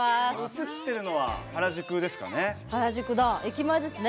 映ってるのは原宿ですかね？